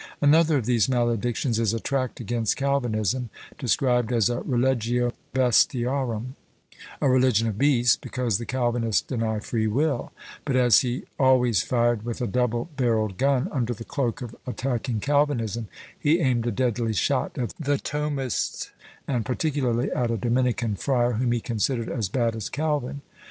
Another of these maledictions is a tract against Calvinism, described as a "religio bestiarum," a religion of beasts, because the Calvinists deny free will; but as he always fired with a double barrelled gun, under the cloak of attacking Calvinism, he aimed a deadly shot at the Thomists, and particularly at a Dominican friar, whom he considered as bad as Calvin.